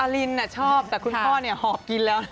ลินชอบแต่คุณพ่อหอบกินแล้ว